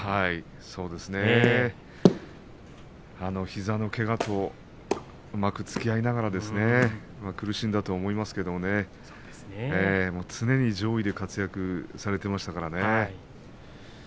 膝のけがとうまくつきあいながら苦しんだと思いますけど常に上位で活躍されていましたからね。